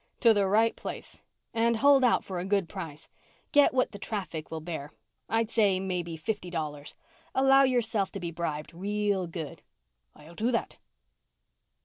"To the right place. And hold out for a good price. Get what the traffic will bear. I'd say maybe fifty dollars. Allow yourself to be bribed real good." "I'll do that."